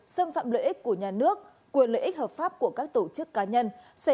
xâm phạm lợi ích của nhà nước quyền lợi ích hợp pháp của các tổ chức cá nhân